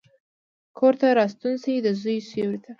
کورته راستون شي، دزوی سیورې ته،